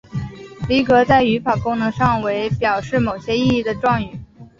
离格在语法功能上为表示某些意义的状语。